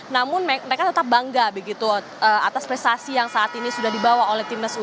namun mereka tetap bangga begitu atas prestasi yang saat ini sudah dibawa oleh timnas u dua puluh